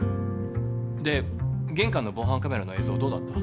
で玄関の防犯カメラの映像どうだった？